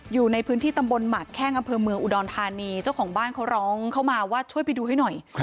อยู่ในพื้นที่ตำบลหมักแข้งอำเภอเมืองอุดรธานีเจ้าของบ้านเขาร้องเข้ามาว่าช่วยไปดูให้หน่อย